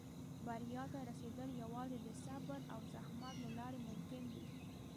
• بریا ته رسېدل یوازې د صبر او زحمت له لارې ممکن دي.